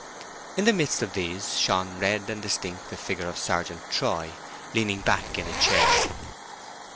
In the midst of these shone red and distinct the figure of Sergeant Troy, leaning back in a chair.